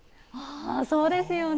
あそうですよね。